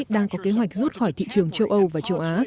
đang có kế hoạch rút khỏi thị trường châu âu và châu á